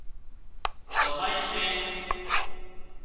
زمائي سي